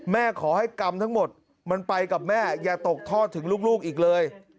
ขอให้กรรมทั้งหมดมันไปกับแม่อย่าตกทอดถึงลูกอีกเลย